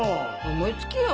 思いつきよ。